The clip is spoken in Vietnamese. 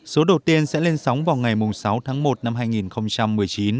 số đầu tiên sẽ lên sóng vào ngày sáu tháng một năm hai nghìn một mươi chín